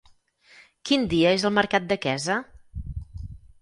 Quin dia és el mercat de Quesa?